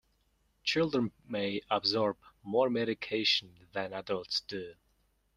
Children may absorb more medication than adults do.